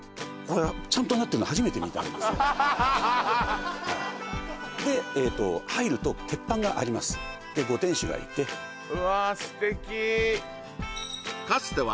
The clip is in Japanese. ちゃんとなってるの初めて見たんですよでええと入ると鉄板がありますでご店主がいてうわ